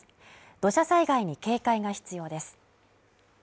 土砂災害に警戒が必要です。